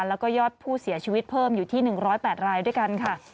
แล้วก็ยอดผู้เสียชีวิตเพิ่มอยู่ที่๑๐๘รายด้วยกันค่ะ